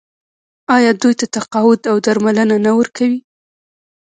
آیا دوی ته تقاعد او درملنه نه ورکوي؟